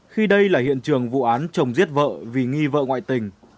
khi đây là hiện trường vụ án chồng giết vợ vì nghi vợ ngoại tình